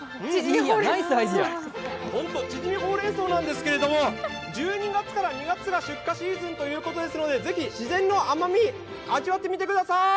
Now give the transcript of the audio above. ホントちぢみほうれん草なんですけど、１２月から２月が出荷シーズンということですのでぜひ自然の甘み、味わってみてください。